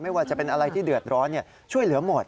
ว่าจะเป็นอะไรที่เดือดร้อนช่วยเหลือหมด